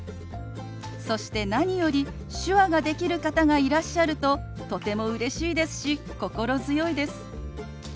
そして何より手話ができる方がいらっしゃるととてもうれしいですし心強いです。